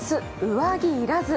上着要らず。